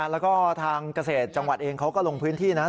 แล้วก็ทางเกษตรจังหวัดเองเขาก็ลงพื้นที่นะ